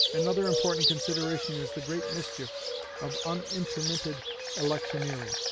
Another important consideration is the great mischief of unintermitted electioneering.